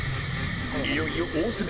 いよいよ大詰め。